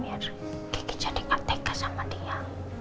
biar gigi jadi gak tegas sama dia